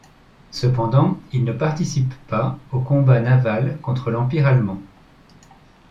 Cependant, il ne participe pas aux combats navals contre l'Empire allemand.